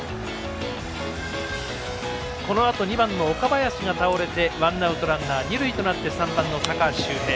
このあと２番、岡林が倒れてワンアウト、ランナー二塁となって３番の高橋周平。